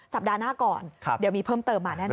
สัปดาห์หน้าก่อนเดี๋ยวมีเพิ่มเติมมาแน่นอ